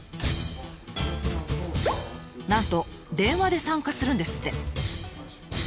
なんと電話で参加するんですって。